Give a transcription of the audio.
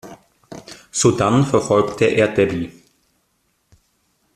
Sodann verfolgt er Debbie.